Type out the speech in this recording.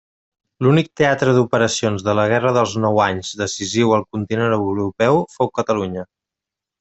L'únic teatre d'operacions de la Guerra dels Nou Anys decisiu al continent europeu fou Catalunya.